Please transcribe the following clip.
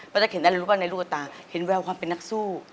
ตั๊กเห็นอะไรรู้ป่ะในลูกตาเห็นแววความเป็นนักสู้